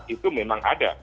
itu memang ada